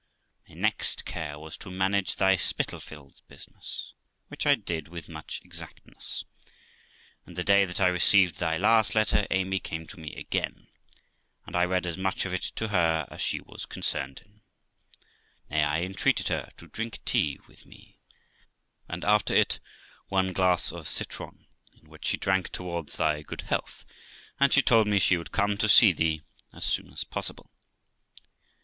My next care was to manage thy Spitalfields business, which I did with much exactness. And the day that I received thy last letter, Amy came to me again, and I read as much of it to her as she was concerned in : nay, I entreated her to drink tea with me, and after it one glass of citron, in which she THE LIFE OF ROXANA 403 drank towards thy good health, and she told me she would come to see thee as soon as possible.